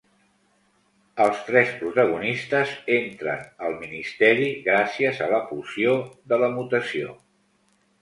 Els tres protagonistes entren al Ministeri gràcies a la poció de la mutació.